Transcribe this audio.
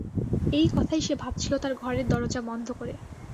এই কথাই সে ভাবছিল তার ঘরের দরজা বন্ধ করে।